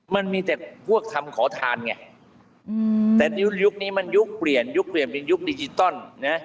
มันมีแต่พวกคำขอทานไงแต่ยุคนี้มันยุคเปลี่ยนยุคเปลี่ยนเป็นยุคดิจิตอลนะ